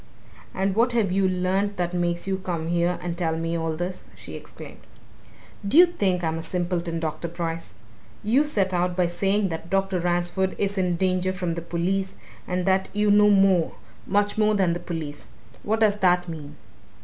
"And what have you learnt that makes you come here and tell me all this?" she exclaimed. "Do you think I'm a simpleton, Dr. Bryce? You set out by saying that Dr. Ransford is in danger from the police, and that you know more much more than the police! what does that mean?